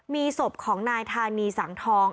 มีศพของนายธานีสังทอง